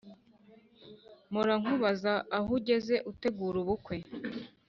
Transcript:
mpora nkubaza aho ugeze utegura ubukwe